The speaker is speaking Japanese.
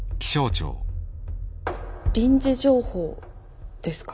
臨時情報ですか？